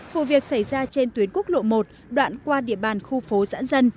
vụ việc xảy ra trên tuyến quốc lộ một đoạn qua địa bàn khu phố giãn dân